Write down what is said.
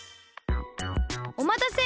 おまたせ！